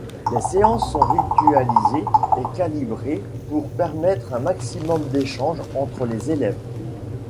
Les séances sont ritualisées et calibrées pour permettre un maximum d'échanges entre les élèves.